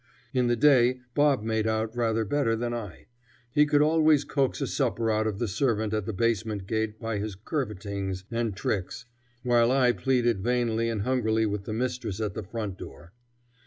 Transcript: In the day Bob made out rather better than I. He could always coax a supper out of the servant at the basement gate by his curvetings and tricks, while I pleaded vainly and hungrily with the mistress at the front door.